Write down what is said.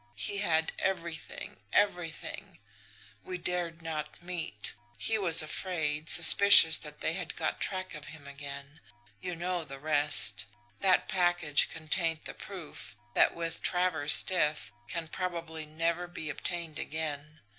He had everything everything! We dared not meet; he was afraid, suspicious that they had got track of him again. You know the rest. That package contained the proof that, with Travers' death, can probably never be obtained again.